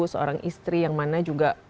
seorang istri yang mana juga